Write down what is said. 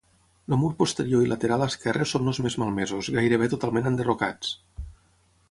El mur posterior i lateral esquerre són els més malmesos, gairebé totalment enderrocats.